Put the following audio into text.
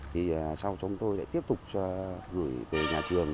thì sau chúng tôi lại tiếp tục cho gửi về nhà trường